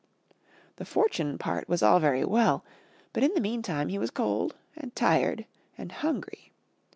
The fortune part was all very well, but in the meantime he was cold and tired and hungry.